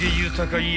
いや